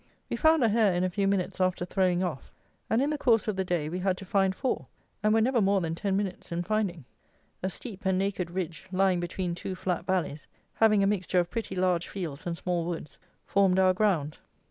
We found a hare in a few minutes after throwing off; and in the course of the day we had to find four, and were never more than ten minutes in finding. A steep and naked ridge, lying between two flat valleys, having a mixture of pretty large fields and small woods, formed our ground.